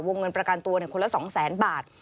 เงินประกันตัวคนละ๒๐๐๐๐บาท